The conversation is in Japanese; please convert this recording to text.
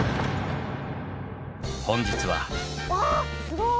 本日は。